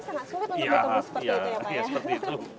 sangat sulit untuk ditunggu seperti itu ya pak ya